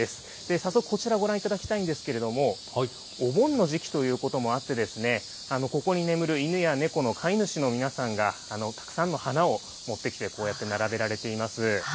早速こちらご覧いただきたいんですけれども、お盆の時期ということもあってですね、ここに眠る犬や猫の飼い主の皆さんがたくさんの花を持ってきて、こうやって並べられています。